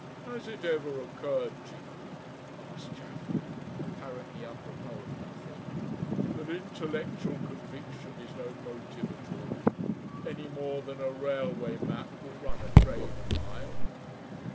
"Has it ever occurred to you," asked Chaffery, apparently apropos of nothing, "that intellectual conviction is no motive at all? Any more than a railway map will run a train a mile."